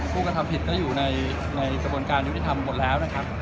ผู้กระทำผิดก็อยู่ในกระบวนการยุติธรรมหมดแล้วนะครับ